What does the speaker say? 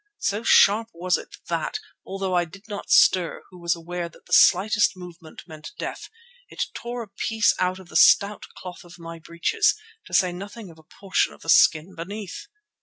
So sharp was it that, although I did not stir, who was aware that the slightest movement meant death, it tore a piece out of the stout cloth of my breeches, to say nothing of a portion of the skin beneath.